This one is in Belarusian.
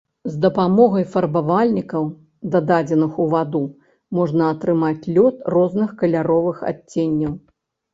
З дапамогай фарбавальнікаў дададзеных у ваду можна атрымаць лёд розных каляровых адценняў.